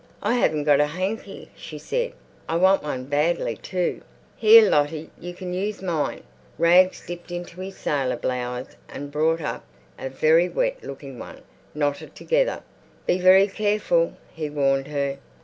"I haven't got a hanky," she said; "I want one badly, too." "Here, Lottie, you can use mine." Rags dipped into his sailor blouse and brought up a very wet looking one, knotted together. "Be very careful," he warned her.